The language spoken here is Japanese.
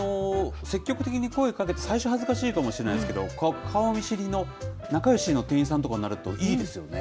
積極的に声かけて、最初恥ずかしいかもしれないですけど、顔見知りの、仲よしの店員さんとかになると、いいですよね。